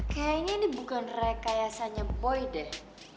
kayanya ini bukan rekayasanya boy deh